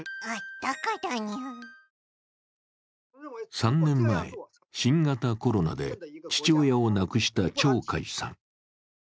３年前、新型コロナで父親を亡くした張海さん。